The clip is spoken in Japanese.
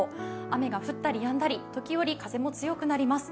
雨が降ったりやんだり時折、風も強くなります。